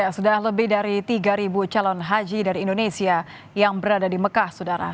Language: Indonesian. sudah lebih dari tiga calon haji dari indonesia yang berada di mekah saudara